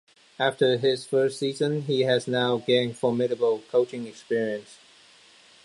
After his first season he has now gained formidable coaching experience.